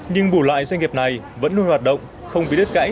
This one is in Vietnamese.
nhưng bù lại doanh nghiệp này vẫn luôn hoạt động không bị đứt cãi